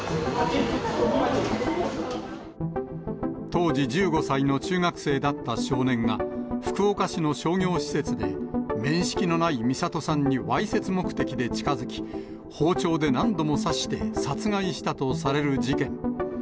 当時１５歳の中学生だった少年が、福岡市の商業施設で、面識のない弥里さんにわいせつ目的で近づき、包丁で何度も刺して殺害したとされる事件。